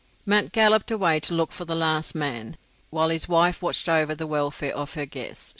Mat galloped away to look for the last man, while his wife watched over the welfare of her guests.